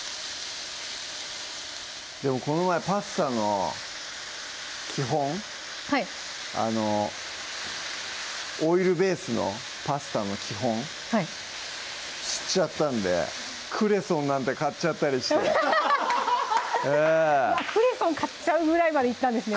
この前パスタの基本はいオイルべースのパスタの基本知っちゃったんでクレソンなんて買っちゃったりしてクレソン買っちゃうぐらいまでいったんですね